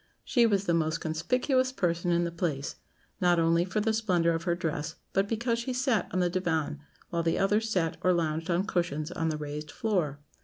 She was the most conspicuous person in the place, not only for the splendour of her dress, but because she sat on the diwán, while the others sat or lounged on cushions on the raised floor.